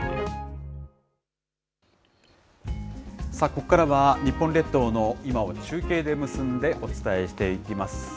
ここからは、日本列島の今を中継で結んでお伝えしていきます。